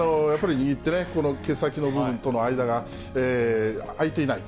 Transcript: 握って、毛先の部分との間が空いていない。